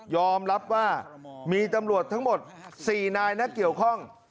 อมรับว่ามีตำรวจทั้งหมด๔นายนะเกี่ยวข้อง